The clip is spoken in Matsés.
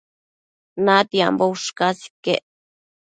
natiambo ushcas iquec